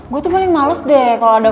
gue tuh paling males deh kalau ada